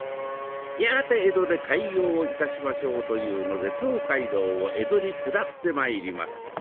やがて江戸で開業をいたしましょうというので東海道を江戸に下ってまいります。